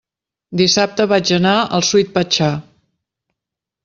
Dissabte vaig anar al Sweet Pachá.